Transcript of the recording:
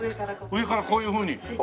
上からこういうふうに。